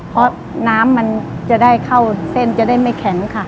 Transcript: เพราะน้ำมันจะได้เข้าเส้นจะได้ไม่แข็งค่ะ